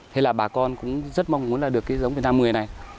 thế là bà con cũng rất mong muốn là được cái giống lvn một mươi này